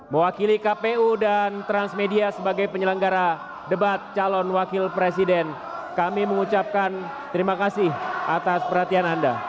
mewakili kpu dan transmedia sebagai penyelenggara debat calon wakil presiden kami mengucapkan terima kasih atas perhatian anda